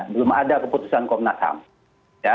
belum ada keputusan komnas ham